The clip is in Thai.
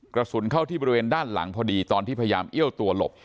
กระสุนเข้าที่บริเวณด้านหลังพอดีตอนที่พยายามเอี้ยวตัวหลบ